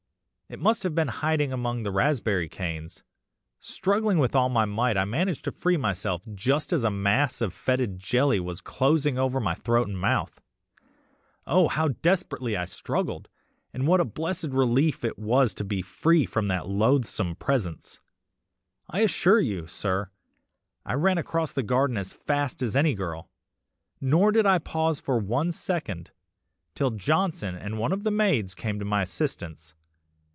It must have been hiding among the raspberry canes. Struggling with all my might I managed to free myself just as a mass of fetid jelly was closing over my throat and mouth. Oh! how desperately I struggled, and what a blessed relief it was to be free from that loathsome presence. I can assure you, sir, I ran across the garden as fast as any girl, nor did I pause for one second, till Johnson and one of the maids came to my assistance.